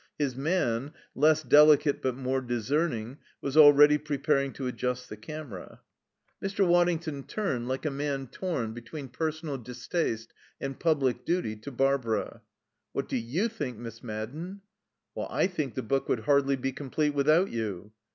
His man, less delicate but more discerning, was already preparing to adjust the camera. Mr. Waddington turned, like a man torn between personal distaste and public duty, to Barbara. "What do you think, Miss Madden?" "I think the book would hardly be complete without you."